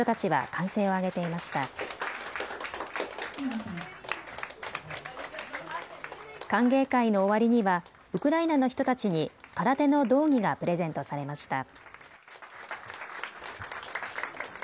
歓迎会の終わりにはウクライナの人たちに空手の道着がプレゼントされました。